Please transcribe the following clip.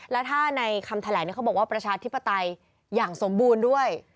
แล้วถ้าในคำแถลงเขาบอกว่าประชาธิปไตยอย่างสมบูรณ์ด้วย